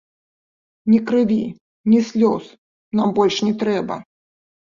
Ні крыві, ні слёз нам больш не трэба!